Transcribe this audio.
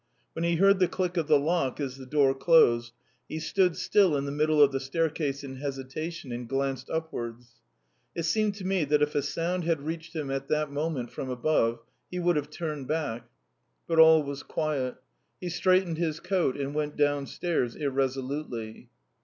When he heard the click of the lock as the door closed, he stood still in the middle of the staircase in hesitation and glanced upwards. It seemed to me that if a sound had reached him at that moment from above, he would have turned back. But all was quiet. He straightened his coat and went downstairs irresolutely.